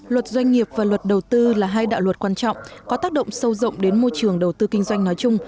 luật doanh nghiệp và luật đầu tư là hai đạo luật quan trọng có tác động sâu rộng đến môi trường đầu tư kinh doanh nói chung